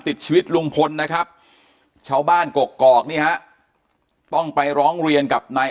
ติดชีวิตลุงพลนะครับชาวบ้านกกอกนี่ฮะต้องไปร้องเรียนกับนาย